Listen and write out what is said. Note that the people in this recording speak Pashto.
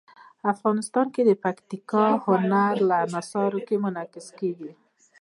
افغانستان کې پکتیکا د هنر په اثار کې منعکس کېږي.